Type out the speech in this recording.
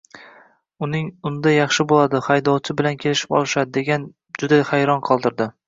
uning “unda yaxshi boʻladi, haydovchi bilan kelishib olishadi”, degani juda hayron qoldirdi.